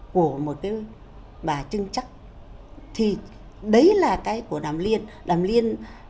cùng các huyết nệ